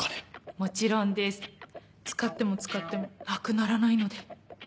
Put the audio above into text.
もちろんです使っても使ってもなくならないので。